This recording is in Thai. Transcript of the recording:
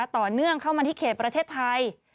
ต่อเนื่องเข้ามาที่เขตประเทศไทย